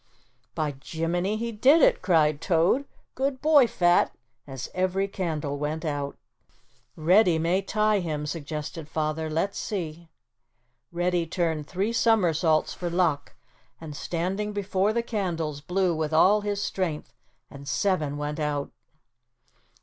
"By jiminy, he did it," cried Toad, "good boy, Fat," as every candle went out. "Reddy may tie him," suggested Father. "Let's see." Reddy turned three somersaults for luck and standing before the candles blew with all his strength, and seven went out.